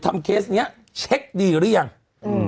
เคสเนี้ยเช็คดีหรือยังอืม